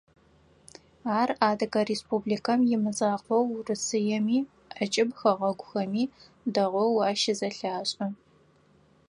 Ар Адыгэ Республикэм имызакъоу Урысыеми, ӏэкӏыб хэгъэгухэми дэгъоу ащызэлъашӏэ.